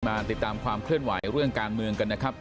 มาติดตามความเคลื่อนไหวเรื่องการเมืองกันนะครับ